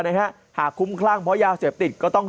เบิร์ตลมเสียโอ้โห